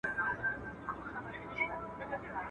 پر مُلا ئې لمبول دي، بخښنه ئې پر خداى ده.